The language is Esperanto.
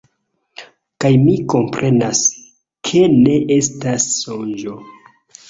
Kaj mi komprenas, ke ne estas sonĝo.